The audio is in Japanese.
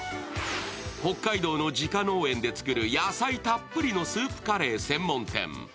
北海道の自家農園で作る野菜たっぷりのスープカレー専門店。